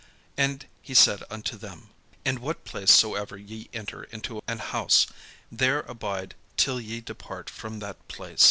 And he said unto them: "In what place soever ye enter into an house, there abide till ye depart from that place.